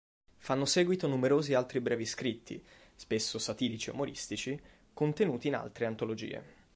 Fanno seguito numerosi altri brevi scritti, spesso satirici e umoristici, contenuti in altre antologie.